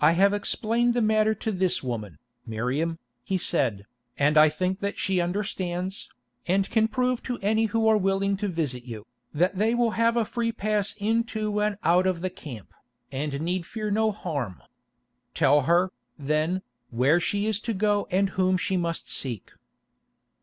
"I have explained the matter to this woman, Miriam," he said, "and I think that she understands, and can prove to any who are willing to visit you, that they will have a free pass in to and out of the camp, and need fear no harm. Tell her, then, where she is to go and whom she must seek."